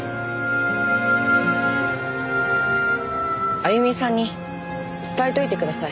あゆみさんに伝えておいてください。